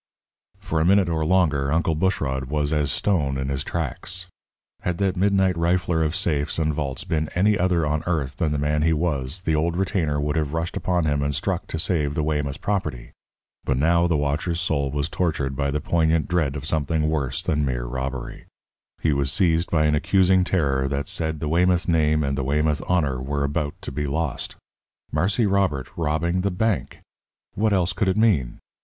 For a minute or longer Uncle Bushrod was as stone in his tracks. Had that midnight rifler of safes and vaults been any other on earth than the man he was, the old retainer would have rushed upon him and struck to save the Weymouth property. But now the watcher's soul was tortured by the poignant dread of something worse than mere robbery. He was seized by an accusing terror that said the Weymouth name and the Weymouth honour were about to be lost. Marse Robert robbing the bank! What else could it mean?